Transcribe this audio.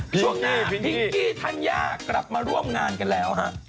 ช่วงหน้าพิงกี้ธัญญากลับมาร่วมงานกันแล้วฮะ